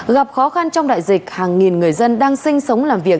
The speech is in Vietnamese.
gặp khó khăn trong đại dịch hàng nghìn người dân đang sinh sống làm việc